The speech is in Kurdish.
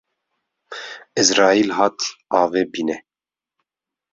Ezraîl hat avê bîne